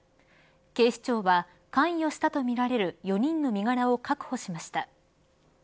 警視庁は関与したとみられる４人の身柄を確保しました。